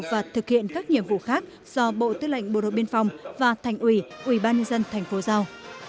và thực hiện các nhiệm vụ khác do bộ tư lệnh bộ đội biên phòng và thành ủy ủy ban nhân dân thành phố giao